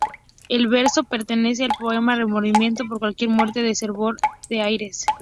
El verso pertenece al poema "Remordimiento por cualquier muerte" de Fervor de Buenos Aires.